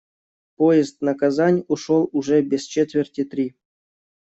Поезд на Казань ушёл уже без четверти три.